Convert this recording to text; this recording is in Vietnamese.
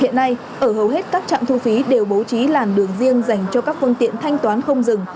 hiện nay ở hầu hết các trạm thu phí đều bố trí làn đường riêng dành cho các phương tiện thanh toán không dừng